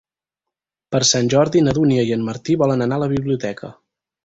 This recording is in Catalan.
Per Sant Jordi na Dúnia i en Martí volen anar a la biblioteca.